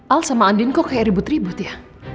al sama andin kok kayak ribut ribut ya